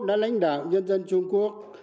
giành đạo nhân dân trung quốc